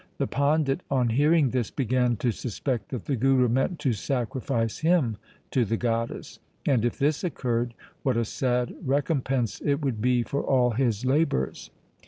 The pandit on hearing this began to suspect that the Guru meant to sacrifice him to the goddess, and, if this occurred, what a sad recompense it would be for all his labours